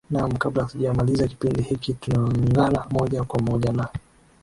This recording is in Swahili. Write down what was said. naam kabla hatujamaliza kipindi hiki tunaungana moja kwa moja na